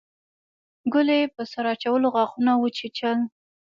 ګلي په سر اچولو غاښونه وچيچل.